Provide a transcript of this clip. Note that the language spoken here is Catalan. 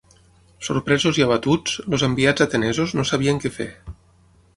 Sorpresos i abatuts, els enviats atenesos no sabien què fer.